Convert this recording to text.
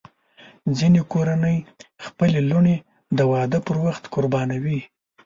ځینې کورنۍ خپلې لوڼې د واده پر وخت قربانوي.